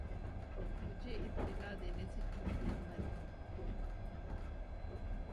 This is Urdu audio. مجھے اطلاع دینے سے چوکنا مت